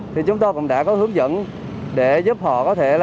thì chúng tôi cũng đã có hướng dẫn để giúp họ có thể